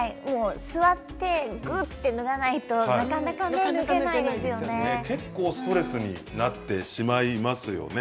座って、ぐっと脱がないと結構ストレスになってしまいますよね。